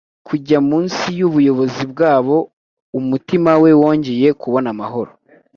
kujya munsi y'ubuyobozi bwabo; umutima we wongeye kubona amahoro